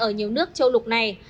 ở nhiều nước châu lục này